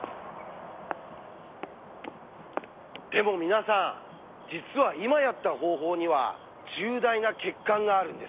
でも皆さん実は今やった方法には重大な欠陥があるんです。